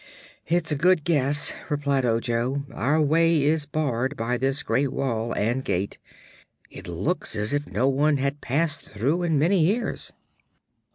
"It's a good guess," replied Ojo. "Our way is barred by this great wall and gate. It looks as if no one had passed through in many years."